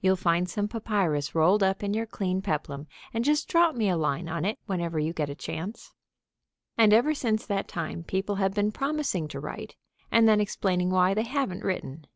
You'll find some papyrus rolled up in your clean peplum, and just drop me a line on it whenever you get a chance." And ever since that time people have been promising to write, and then explaining why they haven't written.